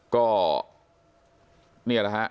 ก็นี่ละค่ะ